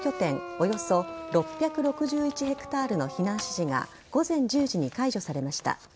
およそ６６１ヘクタールの避難指示が午前１０時に解除されました。